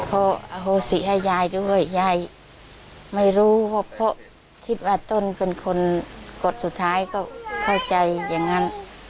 ก็อโหสิให้ยายด้วยยายไม่รู้เพราะคิดว่าต้นเป็นคนกดสุดท้ายก็เข้าใจอย่างนั้น